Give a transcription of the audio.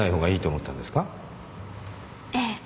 ええ。